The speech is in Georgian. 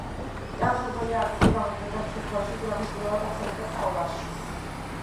განუსაზღვრელი არტიკლი გამოიყენება იმ შემთხვევაში, თუ რამეს პირველად ახსენებენ საუბარში.